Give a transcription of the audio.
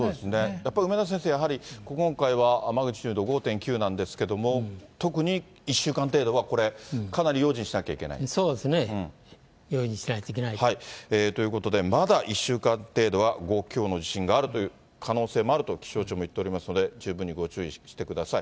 やはり梅田先生、今回はマグニチュード５．９なんですけれども、特に１週間程度はこれ、そうですね。ということで、まだ１週間程度は、５強の地震があるという可能性があると気象庁も言っておりますので、十分にご注意してください。